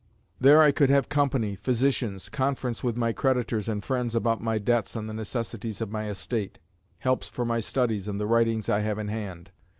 "There I could have company, physicians, conference with my creditors and friends about my debts and the necessities of my estate, helps for my studies and the writings I have in hand.